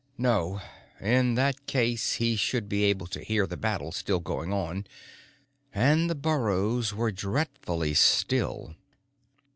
No. In that case, he should be able to hear the battle still going on. And the burrows were dreadfully still.